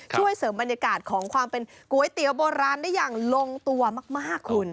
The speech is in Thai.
ช่วยเสริมบรรยากาศของความเป็นก๋วยเตี๋ยวโบราณได้อย่างลงตัวมากคุณ